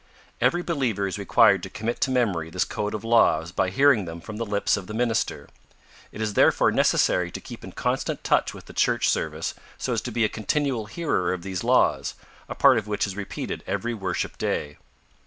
Every believer is required to commit to memory this code of laws by hearing them from the lips of the minister. It is therefore necessary to keep in constant touch with the church service so as to be a continual hearer of these laws, a part of which is repeated every worship day.